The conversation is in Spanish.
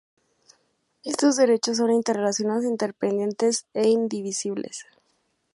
Estos derechos son interrelacionados, interdependientes e indivisibles.